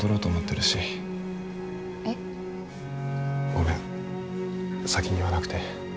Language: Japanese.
ごめん先に言わなくて。